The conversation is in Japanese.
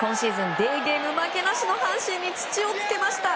デーゲーム負けなしの阪神に土をつけました。